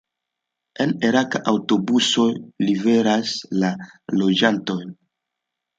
En Arak aŭtobusoj liveras la loĝantojn.